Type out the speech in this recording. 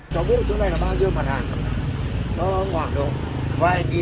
của mỗi mỹ chả thua ai